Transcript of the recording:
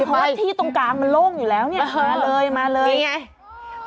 อืมเพราะว่าตรงกลางมันโล่งอยู่แล้วน่ะมาเลยเห็นไง